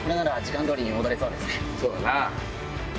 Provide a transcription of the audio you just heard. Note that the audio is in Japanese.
そうだな。